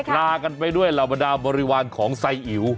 ลากันไปด้วยเหล่าบรรดาบริวารของไซอิ๋ว